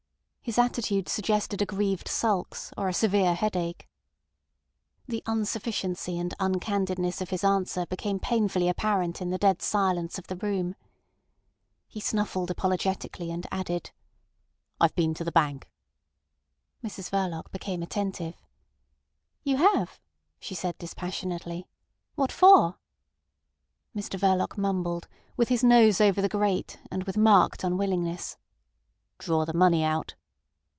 His attitude suggested aggrieved sulks or a severe headache. The unsufficiency and uncandidness of his answer became painfully apparent in the dead silence of the room. He snuffled apologetically, and added: "I've been to the bank." Mrs Verloc became attentive. "You have!" she said dispassionately. "What for?" Mr Verloc mumbled, with his nose over the grate, and with marked unwillingness. "Draw the money out!"